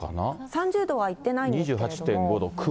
３０度はいってないんですけれども。